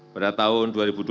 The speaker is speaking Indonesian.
pada tahun dua ribu dua puluh